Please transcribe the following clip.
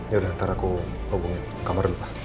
yaudah ntar aku hubungin kamar dulu lah